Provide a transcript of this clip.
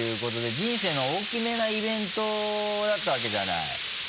人生の大きめなイベントだったわけじゃない。